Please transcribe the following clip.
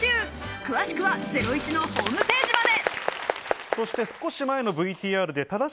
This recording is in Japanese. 詳しくは『ゼロイチ』のホームページまで。